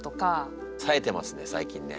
さえてますね最近ね。